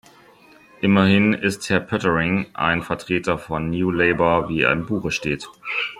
Immerhin ist Herr Poettering ein Vertreter von New Labour, wie er im Buche steht!